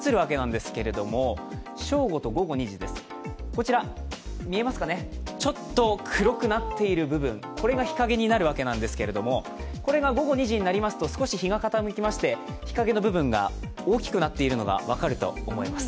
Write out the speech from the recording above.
こちら、ちょっと黒くなっている部分、これが日陰になるわけなんですけれども、これが午後２時になると日が傾きまして日陰の部分が大きくなっているのが分かると思います。